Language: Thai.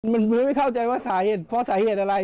มันไม่เข้าใจว่าสาเหตุเพราะสาเหตุอะไร